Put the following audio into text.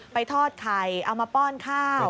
ทอดไข่เอามาป้อนข้าว